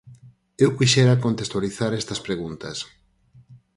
Eu quixera contextualizar estas preguntas.